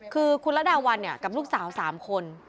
คือคุณระดาวันกับลูกสาว๓คน